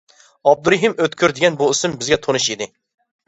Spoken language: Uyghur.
ئابدۇرېھىم ئۆتكۈر دېگەن بۇ ئىسىم بىزگە تونۇش ئىدى.